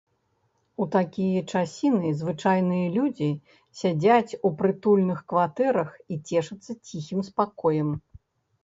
У такія часіны звычайныя людзі сядзяць у прытульных кватэрах і цешацца ціхім спакоем.